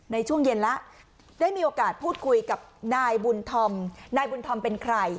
ในช่วงเย็นแล้วได้มีโอกาสพูดคุยกับนายบุญธอมนายบุญธอมเป็นใคร